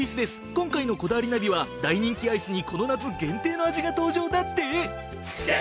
今回の『こだわりナビ』は大人気アイスにこの夏限定の味が登場だって！